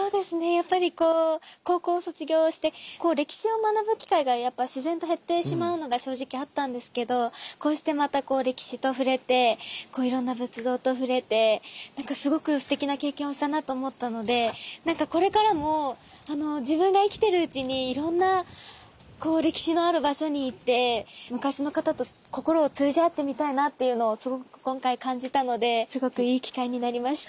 やっぱりこう高校卒業して歴史を学ぶ機会が自然と減ってしまうのが正直あったんですけどこうしてまた歴史と触れていろんな仏像と触れてなんかすごくすてきな経験をしたなと思ったのでなんかこれからも自分が生きてるうちにいろんな歴史のある場所に行って昔の方と心を通じ合ってみたいなというのをすごく今回感じたのですごくいい機会になりました。